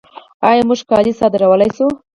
آیا موږ کالي صادرولی شو؟